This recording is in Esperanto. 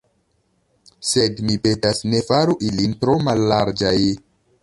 Sed, mi petas, ne faru ilin tro mallarĝaj.